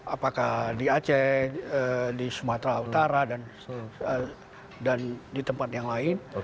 apakah di aceh di sumatera utara dan di tempat yang lain